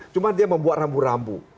cuma dia membuat rambu rambu